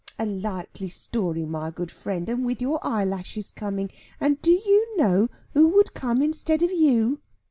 A likely story, my good friend, and with your eyelashes coming! And do you know who would come instead of you?"